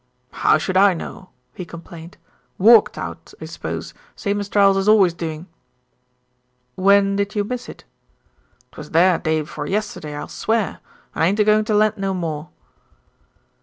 "How should I know?" he complained. "Walked out, I suppose, same as trowels is always doin'." "When did you miss it?" "It was there day 'fore yesterday I'll swear, and I ain't a going to lend no more."